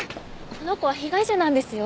この子は被害者なんですよ。